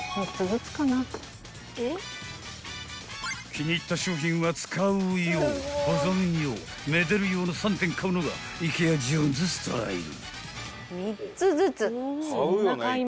［気に入った商品は使う用保存用めでる用の３点買うのがイケア・ジョーンズスタイル］